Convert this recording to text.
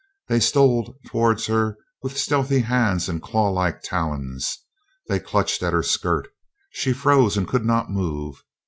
They stole toward her with stealthy hands and claw like talons. They clutched at her skirts. She froze and could not move.